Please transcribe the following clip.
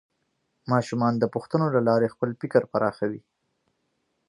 ماشومان د پوښتنو له لارې خپل فکر پراخوي